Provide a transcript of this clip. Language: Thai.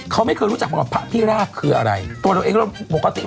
เขาไม่เคยรู้จักขำกับพระพิราภคืออะไรตัวตัวเองก็โบกติ